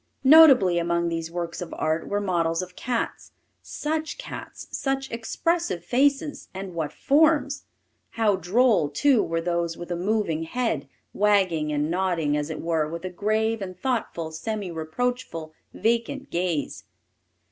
Notably, among these works of art, were models of cats such cats, such expressive faces; and what forms! How droll, too, were those with a moving head, wagging and nodding, as it were, with a grave and thoughtful, semi reproachful, vacant gaze!